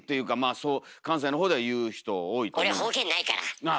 そう関西の方では言う人多いと思いますよ。